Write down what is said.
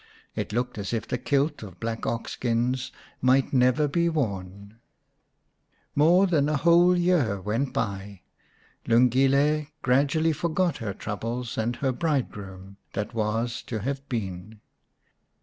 It looked as if the kilt of black ox skins might never be worn. 217 The Enchanted Buck xvm More than a whole year went by ; Lungile gradually forgot her troubles and her bridegroom that was to have been.